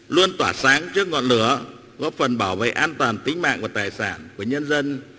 luôn tỏa sáng trước ngọn lửa góp phần bảo vệ an toàn tính mạng và tài sản của nhân dân